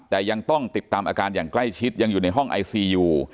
แต่ยังต้องติดตามอาการอย่างใกล้ชิดยังอยู่ในห้องไอซียู